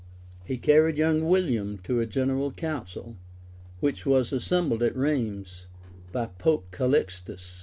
{1019.} He carried young William to a general council, which was assembled at Rheims, by Pope Calixtus II.